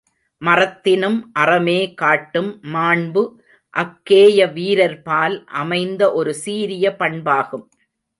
மறத்தினும் அறமே காட்டும் மாண்பு அக்கேய வீரர்பால் அமைந்த ஒரு சீரிய பண்பாகும்.